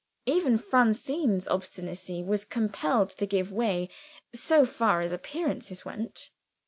Even Francine's obstinacy was compelled to give way, so far as appearances went.